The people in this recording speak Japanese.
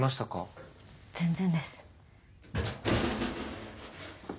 全然です。